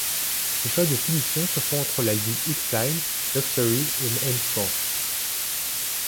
Les choix de finition se font entre la ligne xLine, Luxury et M Sport.